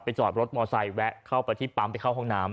จอดรถมอไซค์แวะเข้าไปที่ปั๊มไปเข้าห้องน้ำ